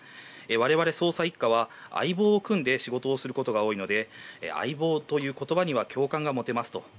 我々、捜査１課は相棒を組んで仕事をすることが多いので相棒という言葉には共感が持てますと。